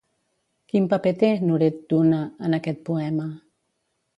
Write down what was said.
Quin paper té Nuredduna en aquest poema?